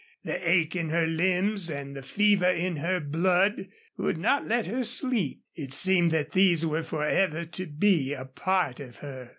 The ache in her limbs and the fever in her blood would not let her sleep. It seemed that these were forever to be a part of her.